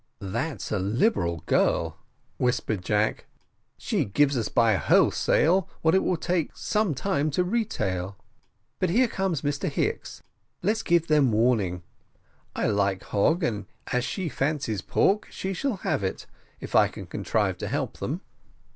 "That's a liberal girl," whispered Jack; "she gives by wholesale what it will take some time to retail. But here comes Mr Hicks, let's give them warning; I like Hogg and as she fancies pork, she shall have it, if I can contrive to help them."